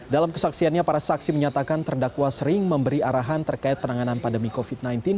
dalam kesaksiannya para saksi menyatakan terdakwa sering memberi arahan terkait penanganan pandemi covid sembilan belas